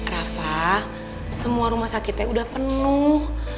rafa semua rumah sakitnya udah penuh